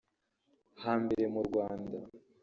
Hambere mu Rwanda